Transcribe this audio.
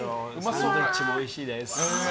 サンドウィッチもおいしいです。